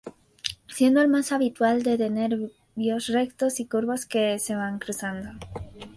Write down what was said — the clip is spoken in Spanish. Siendo el más habitual de de nervios rectos y curvos que se van cruzando.